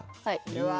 はい。